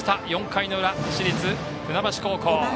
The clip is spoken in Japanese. ４回の裏、市立船橋高校。